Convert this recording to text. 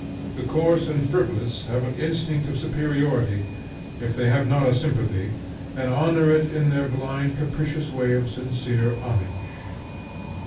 The coarse and frivolous have an instinct of superiority, if they have not a sympathy, and honor it in their blind capricious way with sincere homage.